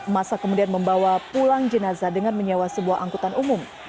masa kemudian membawa pulang jenazah dengan menyewa sebuah angkutan umum